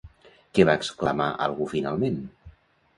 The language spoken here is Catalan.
Què va exclamar algú finalment?